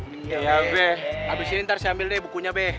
iya beh abis ini ntar saya ambil deh bukunya deh